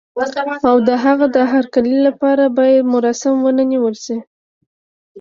او د هغه د هرکلي لپاره باید مراسم ونه نیول شي.